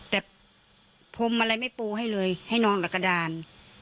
แต่พรมอะไรไม่ปูให้เลยให้นอนดักกระดาน